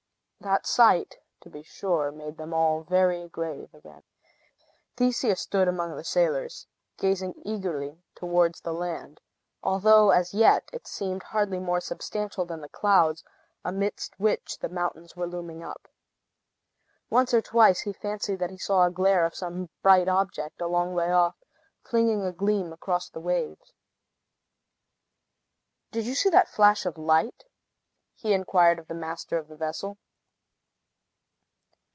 That sight, to be sure, made them all very grave again. Theseus stood among the sailors, gazing eagerly towards the land; although, as yet, it seemed hardly more substantial than the clouds, amidst which the mountains were looming up. Once or twice, he fancied that he saw a glare of some bright object, a long way off, flinging a gleam across the waves. "Did you see that flash of light?" he inquired of the master of the vessel.